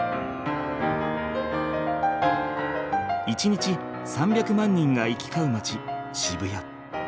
１日３００万人が行き交う街渋谷。